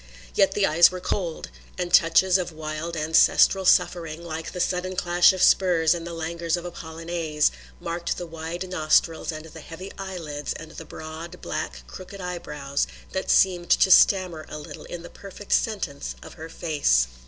Yet the eyes were cold; and touches of wild ancestral suffering, like the sudden clash of spurs in the languors of a Polonaise, marked the wide nostrils and the heavy eyelids and the broad, black crooked eyebrows that seemed to stammer a little in the perfect sentence of her face.